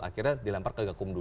akhirnya dilempar ke gakumdu